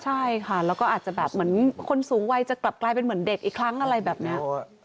ใช่ค่ะแล้วก็อาจจะแบบเหมือนคนสูงวัยจะกลับกลายเป็นเหมือนเด็กอีกครั้งอะไรแบบนี้